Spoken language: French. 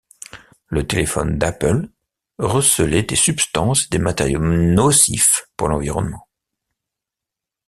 Le téléphone d'Apple recelait des substances et des matériaux nocifs pour l'environnement.